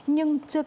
nhưng chưa kịp